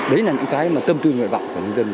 đấy là những cái mà tâm tư người bạo của người dân